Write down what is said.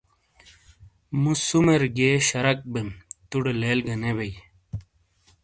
مُو سُومیر گئیے شرک بیم ےتوڑے لیل گہ نے بئیی۔